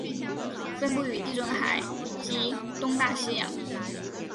分布于地中海及东大西洋。